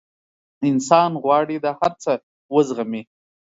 انسان غواړي دا هر څه وزغمي.